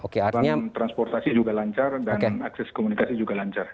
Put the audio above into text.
transportasi juga lancar dan akses komunikasi juga lancar